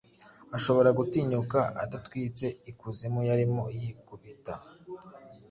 Ashobora gutinyuka adatwitse ikuzimu yarimo yikubita